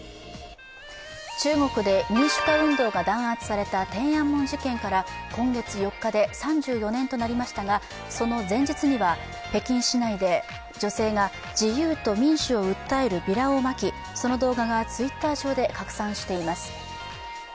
中国で民主化運動が弾圧された天安門事件から今月４日で３４年となりましたがその前日には北京市内で女性が自由と民主を訴えるビラをまきその動画がＴｗｉｔｔｅｒ上で拡散しています。